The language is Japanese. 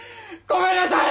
ごめんなさい！